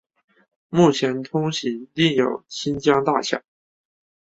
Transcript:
目前通行另有清江大桥。